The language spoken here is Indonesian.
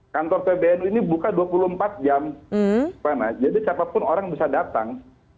kantor pbnu ini buka dua puluh empat jam jadi siapapun orang bisa datang